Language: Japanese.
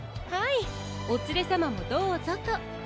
はいおつれさまもどうぞと。